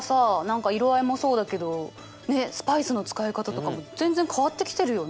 何か色合いもそうだけどねっスパイスの使い方とかも全然変わってきてるよね。